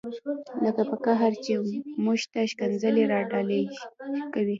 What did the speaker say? لکه په قهر کې چې موږ ته ښکنځلې را ډالۍ کوي.